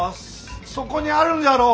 そこにあるんじゃろう